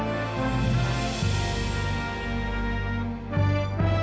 aku harus menolong mereka